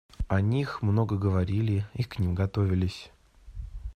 О них много говорили и к ним готовились.